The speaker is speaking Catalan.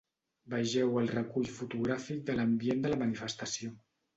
Vegeu el recull fotogràfic de l’ambient de la manifestació.